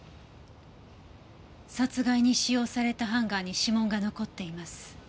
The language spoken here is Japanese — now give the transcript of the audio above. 殺害に使用されたハンガーに指紋が残っています。